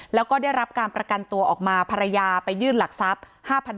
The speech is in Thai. แล้วก็ได้รับการประกันตัวออกมาภรรยาไปยื่นหลักทรัพย์